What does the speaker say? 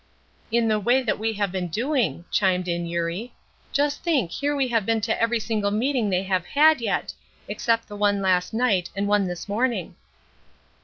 "In the way that we have been doing," chimed in Eurie. "Just think here we have been to every single meeting they have had yet, except the one last night and one this morning."